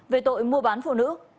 về tội mua bán phụ nữ